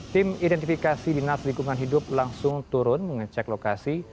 tim identifikasi dinas lingkungan hidup langsung turun mengecek lokasi